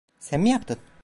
Sen mi yaptın?